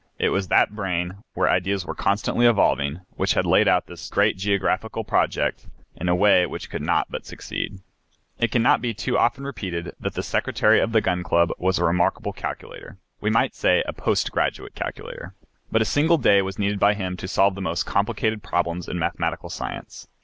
It was that brain, where ideas were constantly evolving, which had laid out this great geographical project in a way which could not but succeed. It cannot be too often repeated that the Secretary of the Gun Club was a remarkable calculator, we might say a postgraduate calculator. But a single day was needed by him to solve the most complicated problems in mathematical science.